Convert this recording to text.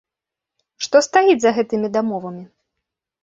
Што стаіць за гэтымі дамовамі?